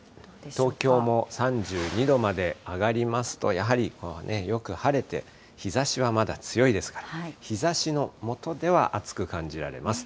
東京も３２度まで上がりますと、やはりよく晴れて、日ざしはまだ強いですから、日ざしの下では暑く感じられます。